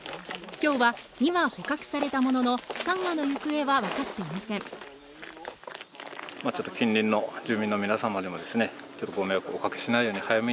きょうは２羽捕獲されたものの、３羽の行方は分かっていません。